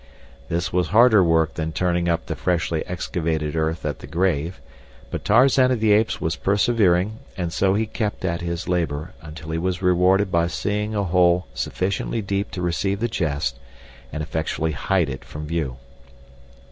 This was harder work than turning up the freshly excavated earth at the grave, but Tarzan of the Apes was persevering and so he kept at his labor until he was rewarded by seeing a hole sufficiently deep to receive the chest and effectually hide it from view.